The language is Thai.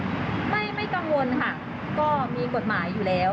ไม่กังวลค่ะก็มีกฎหมายอยู่แล้ว